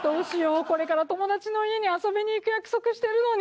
これから友達の家に遊びに行く約束してるのに。